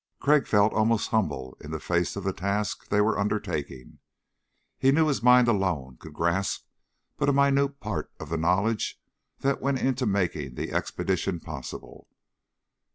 Crag felt almost humble in the face of the task they were undertaking. He knew his mind alone could grasp but a minute part of the knowledge that went into making the expedition possible.